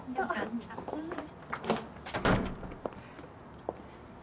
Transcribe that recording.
あっ。